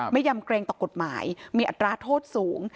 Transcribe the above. ยำเกรงต่อกฎหมายมีอัตราโทษสูง